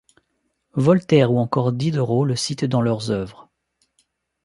Voltaire ou encore Diderot le cite dans leurs œuvres.